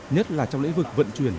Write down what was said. nhất là trong lĩnh vực vận chuyển